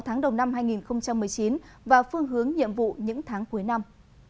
sáu tháng đầu năm hai nghìn một mươi chín và phương hướng nhiệm vụ những tháng cuối năm